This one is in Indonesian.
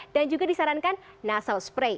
juga disarankan nasal spray